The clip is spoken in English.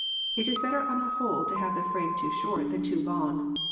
It is better on the whole to have the frame too short than too long.